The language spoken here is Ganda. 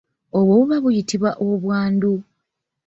Obwo buba buyitibwa obwandu.